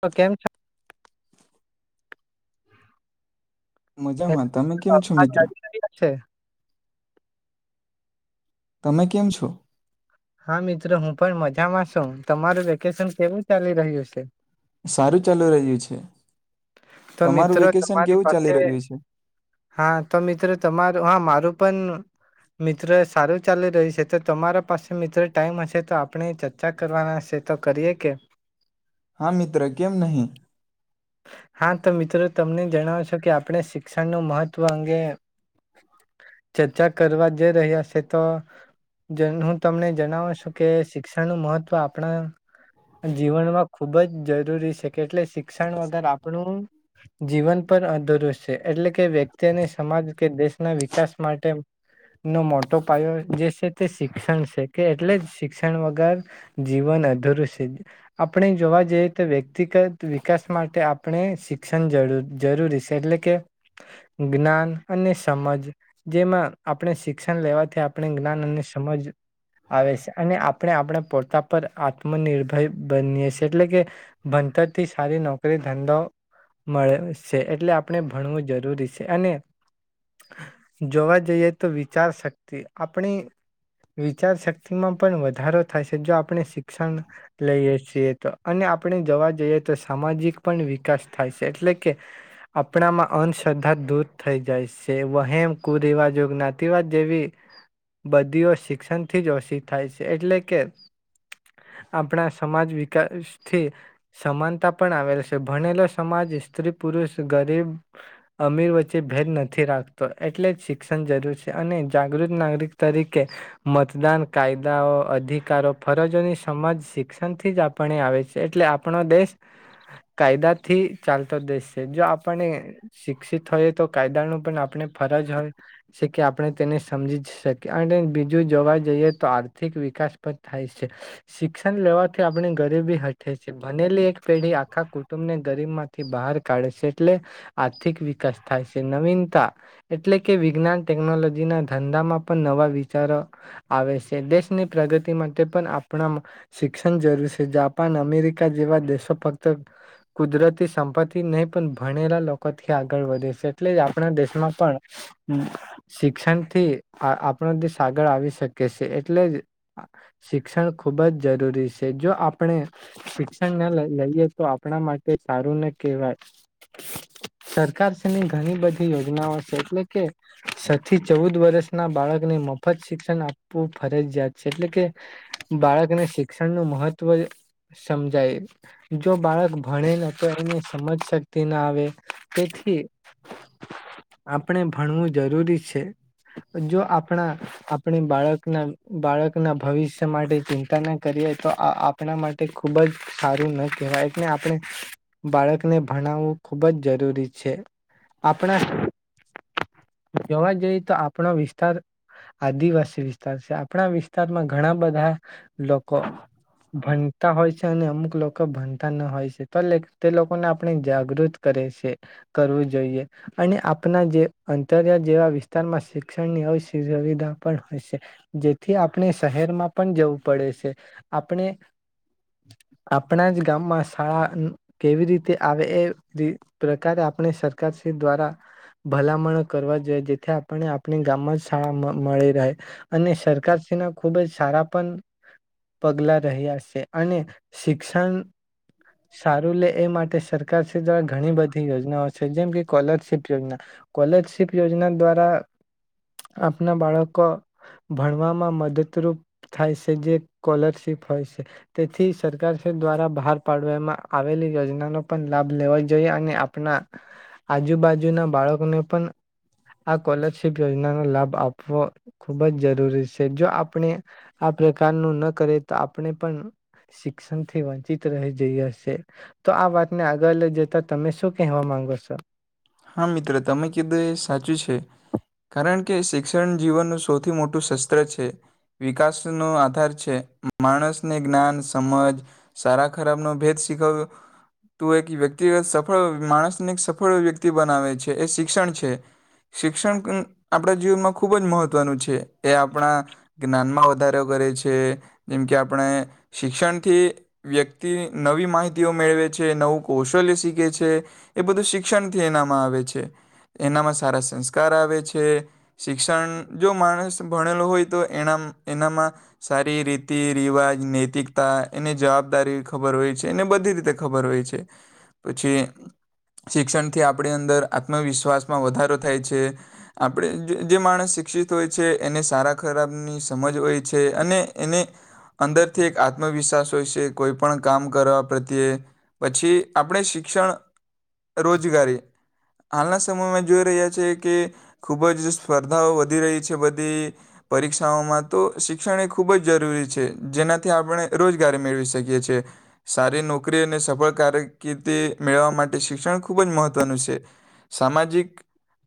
તમે કેમ છો? મજામાં હેલો, તમે કેમ છો અવાજ મિત્ર. આવી રહ્યો છે તમે કેમ છો. હા મિત્રો હું પણ મજામાં છું. તમારું વેકેશન કેવું ચાલી રહ્યું છે? સારું ચાલુ રહ્યું છે. તો તમારું મિત્રો વેકેશન તમારી કેવું ચાલી પાસે, રહ્યું છે હા તો મિત્રો તમારું, હા મારું પણ, મિત્રો એ સારું ચાલી રહ્યું છે. તો તમારા પાસે મિત્ર ટાઈમ હશે તો આપણે ચર્ચા કરવાના છે તો કરીએ કે? હા મિત્ર, કેમ નહીં. હા તો મિત્રો તમને જણાવો છો કે આપણે શિક્ષણ નું મહત્ત્વ અંગે ચર્ચા કરવા જઈ રહ્યા છે તો જન હું તમને જણાવું છું કે શિક્ષણનું મહત્વ આપણા જીવનમાં ખૂબ જ જરૂરી છે કે એટલે શિક્ષણ વગર આપ પણું જીવન પર અધરું છે. એટલે કે વ્યક્તિને સમાજ કે દેશના વિકાસ માટે નો મોટો પાયો જે છે તે શિક્ષણ છે. કે એટલે જ શિક્ષણ વગર જીવન અધૂરું છે. આપણે જોવા જેઈ તે વ્ય તિગત વિકાસ માટે આપ આપણે શિક્ષણ જરૂર-જરૂરી છે. એટલે કે જ્ઞાન અને સમજ જેમાં આપણે શિક્ષણ લેવાથી આપણે જ્ઞાન અને સમજ આવે છે. અને આપણે-આપણે પોતા પર આત્મનિર્ભર બનીએ છે એટલે કે ભણતર થી સારી નોકરી ધંધો મળે છે. એટલે આપણે ભણવું જરૂરી છે અને જોવા જઈએ તો વિચાર શક્તિ આપણી વિચાર શક્તિમાં પણ વધારો થાય છે, જો આપણે શિક્ષણ લઈએ છીએ તો. અને આપણે જોવા જઈએ તો સામાજિક પણ વિકાસ થાય છે. એટલે કે, આપણામાં અંધશ્રદ્ધા દૂર થઈ જાય છે. વહેમ, કુરિવાજ, જ્ઞાતિવાદ જેવી બદીઓ શિક્ષણથી જ ઓછી થાય છે. એટલે કે, આપણા સમાજ વિકાસથી સમાનતા પણ આવેલ છે. તો ભણેલો સમાજ સ્ત્રી- પુરુષ, ગરીબ-અમીર વચ્ચે ભેદ નથી રાખતો. એટલે જ શિક્ષણ જરૂર છે. અને જાગૃત નાગરિક તરીકે મતદાન, કાયદાઓ, અધિકારો, ફરજોની સમજ શિક્ષણથી જ આપણને આવે છે. એટલે આપણો દેશ કાયદાથી ચાલતો દેશ છે. જો આપણને શિક્ષિત હોઈયે તો કાયદાનું પણ આપણે ફરજ હોય. શિ કે આપણે તેને સમજી જ શકીએ. અને બીજું જોવા જઈએ તો આર્થિક વિકાસ પણ થાય છે. શિક્ષણ લેવાથી આપણે ગરીબી હટે છે. ભનેલી એક પેઢી આખા કુ શરીરમાંથી બહાર કાઢે છે, એટલે આર્થિક વિકાસ થાય છે. નવીનતા એટલે કે વિજ્ઞાન ટેકનોલોજીના ધંધામાં પણ નવા વિચારો આવે છે. દેશની પ્રગતિ માટે પણ આપણા શિક્ષણ જરૂર છે. જાપાન અમેરિકા જેવા દેશો ફક્ત કુદરતી સંપત્તિ નહીં, પણ ભણેલા લોકોથી આગળ વધે છે. એટલેજ આપણા દેશમાં પણ હમ્મ શિક્ષણથી આ આપણો દેશ આગળ આવી શકે છે. એટલે જ આ શિક્ષણ ખૂબ જ જરૂરી છે. જો આપણે શિક્ષણને લ-લઈએ તો આપણા મા ટે તે સારું ના કહેવાય. સરકારશ્રીની ઘણી બધી યોજનાઓ છે, એટલે કે સ થી ચૌદ વર્ષના બાળકને મફત શિક્ષણ આપવું ફરજિયાત છે. એટલે કે, બાળકને શિક્ષણનું મહત્વ સમજાય. જો બાળક ભણે ન તો એને સમજશક્તિ ના આવે, તેથી આપણે ભણવું જરૂરી છે. જો આપણા આપણે બાળકના બાળકના ભવિષ્ય માટે ચિંતા ના કરીએ તો આ આપણા માટે ખૂબ જ સારું ન કહેવાય. એટલે આપણે બાળકને ભણાવવું ખુબ જ જરૂરી છે. આપણા, જોવા જઈએ તો આપણો વિસ્તાર આદિવાસી વિસ્તાર છે. આપણા વિસ્ત તારમાં ઘણા બધા લોકો ભણતા હોય છે, અને અમુક લોકો ભણતા ન હોય છે. તો લેક તે લોકોને આપણે જાગૃત કરે છે, કરવું જોઈએ. અને આપના જે અંતરિયાળ જેવા વિસ્તારમાં શિક્ષણની અવ સુવિધા પણ હોય છે. જેથી આપણે શહેરમાં પણ જવું પડે છે. આપણે આપણા જ ગામમાં શાળા હમ્મ કેવી રીતે આવે એ જે પ્રકારે આપણે સરકારશ્રી દ્વારા ભલામણો કરવા જોઈએ. જેથી આપણે આપ ની ગામમાં શાળા મ મળી રહે. અને સરકારશ્રી ના ખુબજ સારા પણ, પગલા રહ્યા છે અને શિક્ષણ સરકારશ્રી દ્વારા ઘણી બધી યોજનાઓ છે. જેમ કે કોલરશીપ યોજના, કોલરશીપ યોજના દ્વારા આપના બાળકો ભણવામાં મદદરૂપ થાય છે, જે કોરલરશીપ હોય છે. તેથી સરકારશ્રી દ્વારા બહાર પાડવામાં આવેલી યોજનાનો પણ લાભ લેવા જોઈએ અને આપણા આજુબાજુના બાળકોને પણ આ કોલરશીપ યોજનાનો લાભ આપવો ખુબજ જરૂરી છે. જો આપણે આ પ્રકારનું ન કરએ તો આપણે પણ શિક્ષણ થી વંચિત રહી જઈએ છે. તો આ વાતને આગળ લઈ જતા તમે શું કહેવા માંગો છો? હ, મિત્ર તમે કીધું એ સાચું છે, કારણકે શિક્ષણ જીવનનું સૌથી મોટું શસ્ત્ર છે. વિકાસ નો આધાર છે. મ-માણસને જ્ઞાન, સમજ, સારા ખરાબનો ભેદ શીખાવો તું એક વ્યક્તિગત સફળ, માણસને એક સફળ વ્ય કતિ બનાવે છે, એ શિક્ષણ છે. શિક્ષણ [unintelligible] આપડા જીવનમાં ખૂબ જ મહત્વનું છે. એ આપણા જ્ઞાનમાં વધારો કરે છે. જેમકે, આપણે શિક્ષણથી વ્યક્તિ નવી માહિતીઓ મેળવે છે, નવું કૌશલ્ય શીખે છે, એ બધું શિક્ષણ થી એનામાં આવે છે. એનામાં સારા સંસ્કાર આવે છે. શિક્ષણ જો માણસ ભણેલો હોય તો, એના, એનામાં સારી રીતિ, રિવાજ, નૈતિકતા એની જવાબદારી ખબર હોય છે. એને બધી રીતે ખબર હોય છે. પછી શિક્ષણ કે, આપડી અંદર આત્મવિશ્વાસમાં વધારો થાય છે. આપણે જે માણસ શિક્ષિત હોય છે, એને સારા ખરાબની સમજ હોય છે અને એને, અંદરથી એક આત્મવિશ્વાસ હોય છે, કોઈ પણ કામ કરવા પ્રત્યે પછી, આપણે શિક્ષણ, રોજગારી! હાલના સમયમાં જોઈ રહ્યા, છે કે, ખૂબજ સ્પર્ધાઓ વધી રહી છે બધી પરીક્ષાઓમાં, તો શિક્ષણ એ ખૂબજ જરૂરી છે, જેનાથી આપણે રોજગારી મેળવી શકીએ છે. સારી નોકરી અને સફળ કારકિર્દી મેળવા માટે શિક્ષણ ખૂબજ મહત્વનું છે. સામાજિક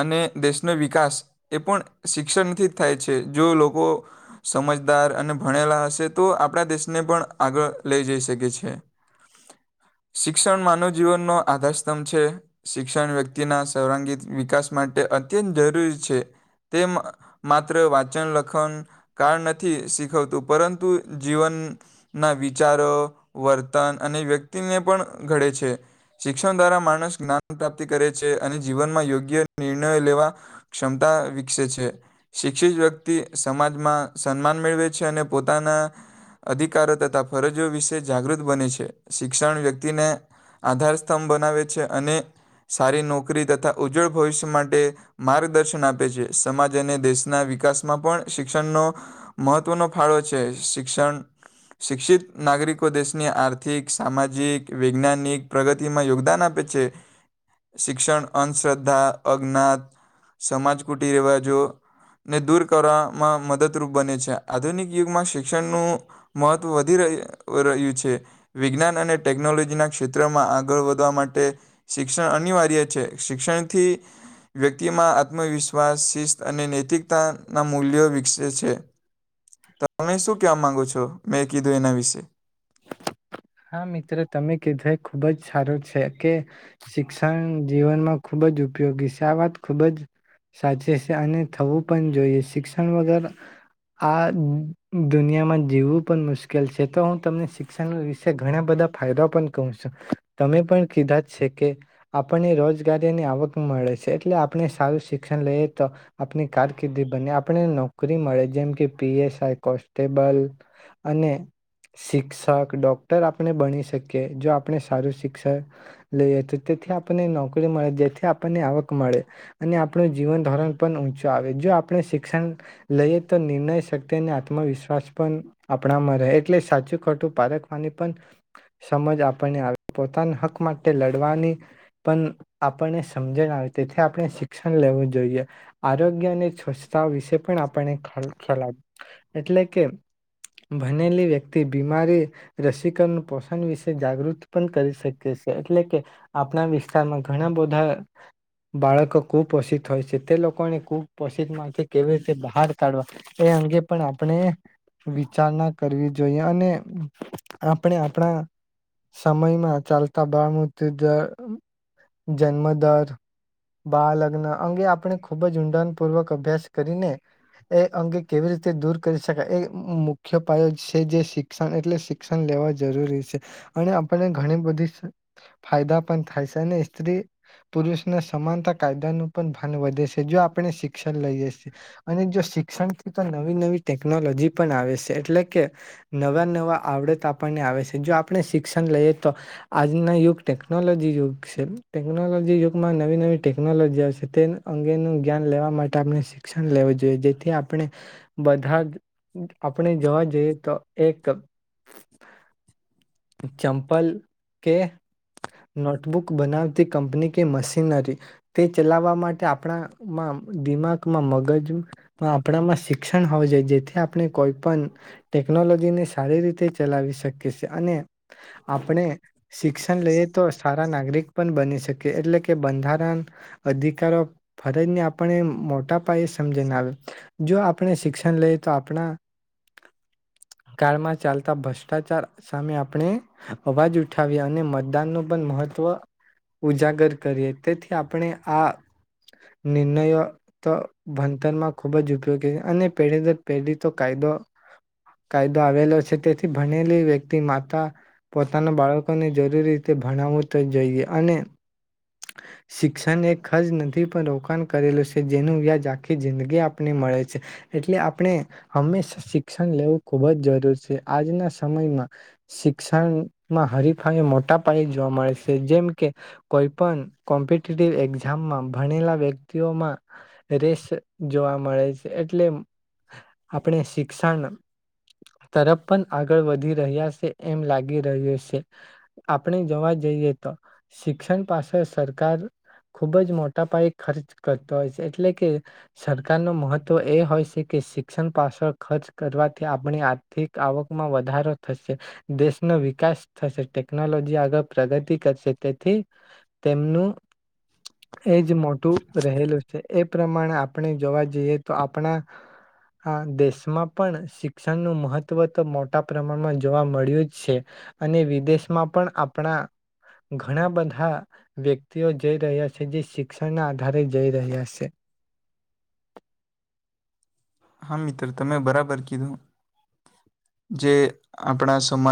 અને દેશનો વિકાસ એ પણ શિક્ષણથી જ થાય છે. જો લોકો સમજદાર અને ભણેલા હશે, તો આપણા દેશને પણ આગળ લઈ જઈ શકે છે. શિક્ષણ માનવ જીવનનો આધાર સ્તંભ છે. શિક્ષણ વ્યક્તિના સર્વાંગી વિકાસ માટે અત્યંત જરૂરી છે. તે મા માત્ર વાંચન લખન કાળ નથી શીખવતું, પરંતુ જીવનના વિચારો, વર્તન અને વ્યક્તિને પણ ઘડે છે. શિક્ષણ દ્વારા માણ સ જ્ઞાન પ્રાપ્તિ કરે છે અને જીવનમાં યોગ્ય નિર્ણયો લેવા ક્ષમતા વિકસે છે. શિક્ષિત વ્યક્તિ સમાજમાં સન્માન મેળવે છે અને પોતાના અધિકારો તથા ફરજો વિશે જાગૃત બને છે. શિક્ષણ વ્યક્તિને આધાર સ્તંભ બનાવે છે અને સારી નોકરી તથા ઉજ્જવળ ભવિષ્ય માટે માર્ગદર્શન આપે છે. સમાજ અને દેશના વિકાસમાં પણ, શિક્ષણનો મહત્વનો ફાળો છે. શિક્ષણ શિક્ષિત નાગરિકો દેશની આર્થિક, સામાજિક, વૈજ્ઞાનિક પ્રગતિમાં યોગદાન આપે છે. છે. શિક્ષણ અંધશ્રદ્ધા, અજ્ઞાત, સમાજ કૂટી રિવાજોને દૂર કરવામાં મદદરૂપ બને છે. આધુનિક યુગમાં શિક્ષણનું મહત્વ વધી રહ, રહ્યું છે. વિજ્ઞાન અને ટેકનોલોજીના ક્ષેત્રમાં આગળ વધવા માટે શિક્ષણ અનિવાર્ય છે. શિક્ષણથી વ્યક્તિમાં આત્મવિશ્વાસ, શિસ્ત અને નૈતિકતાનાં મૂલ્યો વિકસે છે. તમે શું કેવા માંગુ છ છો, મેં કીધું એના વિશે? હા, મિત્ર તમે કીધા એ ખુબજ સારું છે કે, શિક્ષણ જીવનમાં ખુબજ ઉપયોગી છે. આ વાત ખૂબજ સાચી છે અને થવું પણ જોઈએ, શિક્ષણ વગર આ દુનિયામાં જીવવું પણ મુશ્કેલ છે. તો હુ તમને શિક્ષણ વિશે ઘણા બધા ફાયદા પણ કવ છું. તમે પણ કીધાજ છે કે, આપણને રોજગારીની આવક મળે છે. એટલે આપણે સારું શિક્ષણ લઈએ તો, આપણી કારકિર્દી બને, આપને નોકરી મળે જેમ કે, પી એસ આઈ, કોન્સ્ટેબલ અને શિક્ષક, ડોક્ટર આપણે બણી શકીએ. જો આપણે સારું શિક્ષણ લઈએ તો, તેથી આપણને નોકરી મળે, જેથી આપણને આવક મળે, અને આપણું જીવન ધોરણ પણ ઊંચું આવે. જો આપણે શિક્ષણ લઈએ તો નિર્ણય શક્તિ અને આત્મવિશ્વાસ પણ આપણામાં રહે એટલે સાચું ખોટું પારખવાની પણ સમજ આપણને આવે. પોતાના હક માટે લડવાની પણ આપણને સમજણ આવે. તેથી આપણે શિક્ષણ લેવું જોઈએ. આરોગ્ય અને સ્વચ્છતા વિશે પણ આપને [unintelligible] ખલા એટલે કે, ભનેલી વ્યતિ તે બીમારી રસીકરણ પોષણ વિશે જાગૃત પણ કરી શકીએ છે એટલે કે આપણા વિસ્તારમાં ઘણા બધા બાળકો કુપોષિત હોય છે, તે લોકોને કુપોષિત માંથી કેવી રીતે બહાર કાઢવા, એ અંગે પણ આપણે વિચારણા કરવી જોઈએ, અને આપણે આપણા સમયમાં ચાલતાં બાળમૃત્યુદર, જન્મદર, બાળલગ્ન અંગે આપણે ખૂબ જ ઊંડાણપૂર્વક અભ્યાસ કરીને, એ અંગે કેવી રીતે દૂર કરી શકાય, એ મુખ્ય પાયો છે, જે શિક્ષણ એટલે શિક્ષણ લેવા જરૂરી છે. અને, આપને ઘણી બધી ફાયદા પણ થાય છે. અને સ્ત્રી પુરુષને સમાનતા કાયદાનું પણ ભાન વધે છે, જો આપણે શિક્ષણ લઈએ છીએ. અને જો શિક્ષણથી તો નવી નવી ટેકનોલોજી પણ આવે છે. એટલે કે, નવાં નવાં આવડત આપણને આવે છે, જો આપણે શિક્ષણ લઈએ તો. આજના યુગ ટેકનોલોજી યુગ છે. ટેકનોલોજી યુગમાં નવી નવી ટેકનોલોજી આવશે, તે અંગેનું જ્ઞાન લેવા માટે આપણે શિક્ષણ લેવું જોઈએ. જેથી, આપણે બધા આપણે જવા જોઈએ તો એક ચંપલ કે નોટબુક બનાવતી કંપની કે મશીનરી, તે ચલાવવા માટેષઆપણામાં દિમાગમાં મગજ આપણામાં શિક્ષણ હોવા જોઈએ. જેથી આપણે, કોઈપન ટેકનોલોજીને સારી રીતે ચલાવી શકીએ છે, અને આપણે શિક્ષણ લઈએ તો સારા નાગરિક પણ બની શકીએ. એટલે કે બંધારણ અધિકારો, ફરજને આપણે મોટા પાયે એ સમજન આવે. જો આપણે શિક્ષણ લઈએ તો, આપણા કાળમાં ચાલતા ભ્રષ્ટાચાર સામે આપણે અવાજ ઉઠાવીએ અને મતદાનનું પણ મહત્વ ઉજાગર કરીએ. તેથી, આપણે આ નિર્ણયો તો ભનતરમાં ખૂબ જ ઉપયોગી અને, પેઢી દર પેઢી તો કાયદો કાયદો આવેલો છે, તેથી, ભણેલી વ્યક્તિ માતા પોતાના બાળક કોને જરૂરી રીતે ભણાવવું તો જોઈએ. અને શિક્ષણ એ ખર્ચ નથી પણ, રોકાણ કરેલું છે, જેનું વ્યાજ આખી જિંદગી આપને મળે છે. એટલે આપણે હંમેશા શિ શિક્ષણ લેવું ખૂબ જ જરૂર છે. આજના સમયમાં શિક્ષણમાં હરીફાઈ મોટા પાયે જોવા મળે છે. જેમ કે, કોઈ પણ કોમ્પિટેટિવ એક્ઝામમાં ભણેલા વ્યક્તિઓમાં રેસ જોવા મળે છે. એટલે આપણે શિ શિક્ષણ તરફ પણ આગળ વધી રહ્યા સે. એમ લાગી રહ્યું સે. આપણે જોવા જઈએ તો, શિક્ષણ પાછળ સરકાર ખૂબ જ મોટા પાયે ખર્ચ કરતો હોય છે. એટલે કે, સરકાર નું મહત્વ એ હોય છે કે શિક્ષણ પાછળ ખર્ચ કરવાથી આપણી આર્થિક આવકમાં વધારો થશે, દેશનો વિકાસ થશે, ટેકનોલોજી આગળ પ્રગતિ કરશે, તેથી તેમનું એજ મોટું રહેલું છે. એ પ્રમાણે આપણે જોવા જઈએ તો આપણા આ દેશ દેશમાં પણ શિક્ષણનું મહત્વ તો મોટા પ્રમાણમાં જોવા મળ્યું જ છે. અને વિદેશમાં પણ, આપણા ઘણા બધા વ્યક્તિઓ જઈ રહ્યા છે, જે શિક્ષણના આધારે જઈ રહ્યા છે. હા! મિત્ર તમે બરાબર કીધું. જે આપણા સમાજ